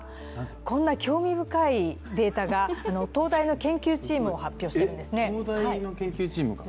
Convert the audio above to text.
こんな興味深いデータが、東大の研究チームが発表してるんですね。